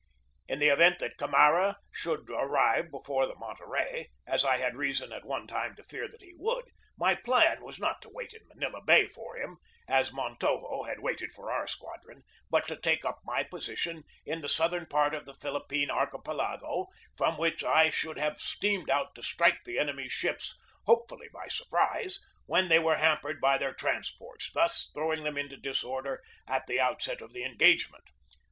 In the event that Camara should arrive before the Monterey , as I had reason at one time to fear that he would, my plan was not to wait in Manila Bay for him, as Montojo had waited for our squadron, but to take up my position in the southern part of the Philippine archipelago, from which I should have steamed out to strike the enemy's ships, hopefully by surprise, when they were hampered by their trans ports, thus throwing them into disorder at the out set of the engagement.